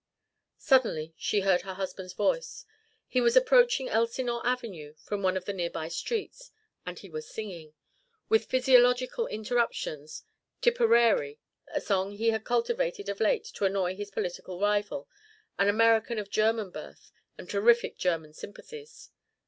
Suddenly she heard her husband's voice. He was approaching Elsinore Avenue from one of the nearby streets, and he was singing, with physiological interruptions, "Tipperary," a song he had cultivated of late to annoy his political rival, an American of German birth and terrific German sympathies.